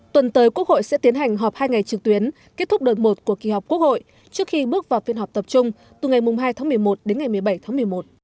tuần tới quốc hội sẽ tiến hành họp hai ngày trực tuyến kết thúc đợt một của kỳ họp quốc hội trước khi bước vào phiên họp tập trung từ ngày hai tháng một mươi một đến ngày một mươi bảy tháng một mươi một